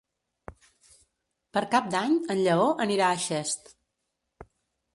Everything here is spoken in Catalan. Per Cap d'Any en Lleó anirà a Xest.